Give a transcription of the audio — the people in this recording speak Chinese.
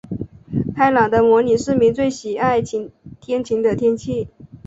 开朗的模拟市民最喜爱天晴的天气。